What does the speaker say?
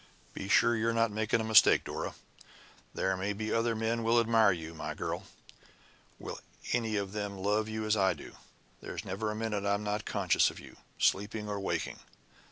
Be sure you're not making a mistake, Dora! There may be other men will admire you, my girl will any of them love you as I do? There's never a minute I'm not conscious of you, sleeping or waking.